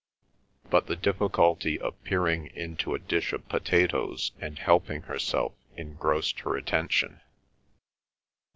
But the difficulty of peering into a dish of potatoes and helping herself engrossed her attention.